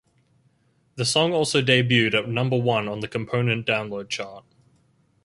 The song also debuted at number one on the component Download Chart.